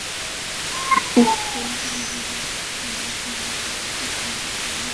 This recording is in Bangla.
ইরফান, ডেলিভারি হয়ে গেলে বাবাকে ফোন করে জানাবে।